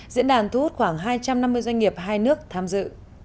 diễn đàn thu hút khoảng hai trăm năm mươi doanh nghiệp hai nước tham dự